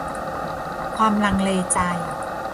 ความลังเลใจ